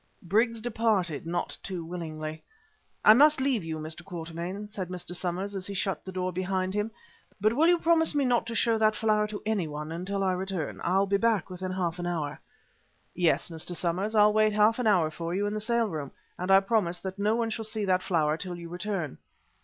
Briggs departed not too willingly. "I must leave you, Mr. Quatermain," said Mr. Somers as he shut the door behind him. "But will you promise me not to show that flower to anyone until I return? I'll be back within half an hour." "Yes, Mr. Somers. I'll wait half an hour for you in the sale room, and I promise that no one shall see that flower till you return."